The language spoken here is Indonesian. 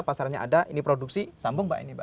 pasarnya ada ini produksi sambung mbak ini mbak